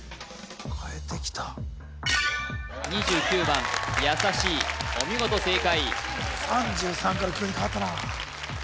２９番やさしいお見事正解３３から急に変わったな